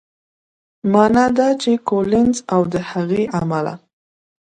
معنا دا چې کولینز او د هغې عمله